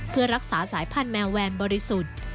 เพื่อรักษาสายพันธุแมวแวนบริสุทธิ์